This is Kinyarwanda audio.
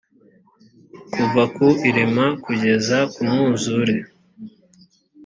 kuva ku irema kugeza ku mwuzure